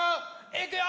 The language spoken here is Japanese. いくよ！